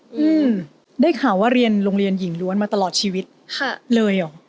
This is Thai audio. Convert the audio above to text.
อืมได้ข่าวว่าเรียนโรงเรียนหญิงล้วนมาตลอดชีวิตค่ะเลยเหรอ